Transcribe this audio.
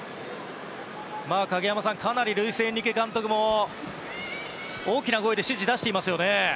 影山さん、かなりルイス・エンリケ監督も大きな声で指示を出していますよね。